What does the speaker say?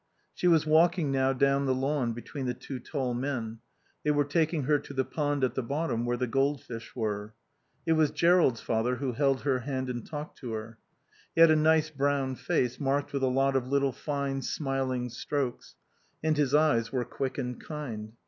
She was walking now down the lawn between the two tall men. They were taking her to the pond at the bottom where the goldfish were. It was Jerrold's father who held her hand and talked to her. He had a nice brown face marked with a lot of little fine, smiling strokes, and his eyes were quick and kind.